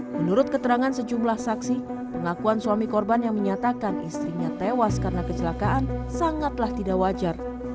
menurut keterangan sejumlah saksi pengakuan suami korban yang menyatakan istrinya tewas karena kecelakaan sangatlah tidak wajar